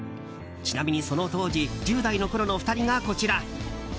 ちなみにその当時１０代のころの２人がこちら。